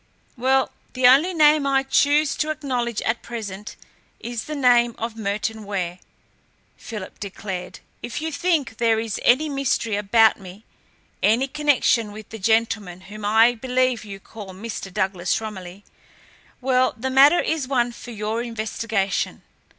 "Well, the only name I choose to acknowledge at present is the name of Merton Ware," Philip declared. "If you think there is any mystery about me, any connection with the gentleman whom I believe you call Mr. Douglas Romilly, well, the matter is one for your investigation.